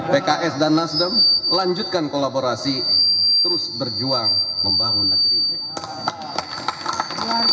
pks dan nasdem lanjutkan kolaborasi terus berjuang membangun negeri ini